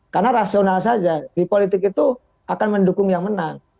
karena rasional saja di politik itu akan mendukung yang menang